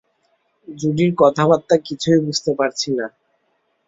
জুডির কথাবার্তা কিছুই বুঝতে পারছি না।